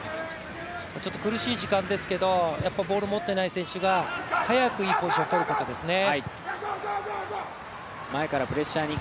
苦しい時間ですけどボールを持っていない選手が早くいいポジションをとることですね。